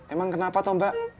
emang kenapa toh mbak